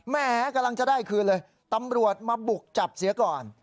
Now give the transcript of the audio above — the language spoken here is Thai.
แม้กำลังจะได้คืนเลยตำรวจมาบุกจับเสียก่อน